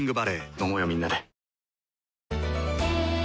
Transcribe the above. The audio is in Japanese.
飲もうよみんなで。